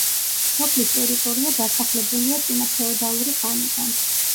სოფლის ტერიტორია დასახლებულია წინაფეოდალური ხანიდან.